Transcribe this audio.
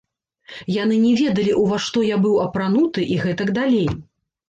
Яны не ведалі, ува што я быў апрануты і гэтак далей.